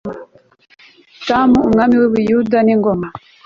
Yotamu umwami w u Buyuda n ingoma